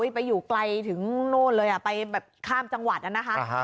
ไปอยู่ไกลถึงโน่นเลยไปแบบข้ามจังหวัดนะคะ